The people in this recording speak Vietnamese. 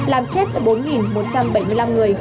làm chết bốn một trăm bảy mươi năm người